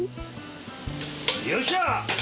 よっしゃ！